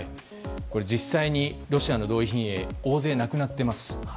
実際にロシアの動員兵が大勢亡くなっています。